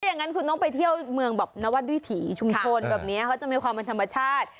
อย่างนั้นคุณต้องไปเที่ยวเมืองแบบนวัดวิถีชุมชนแบบนี้เขาจะมีความเป็นธรรมชาติ